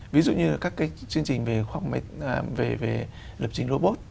ví dụ như là các cái chương trình về lập trình robot